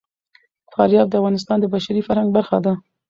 فاریاب د افغانستان د بشري فرهنګ برخه ده.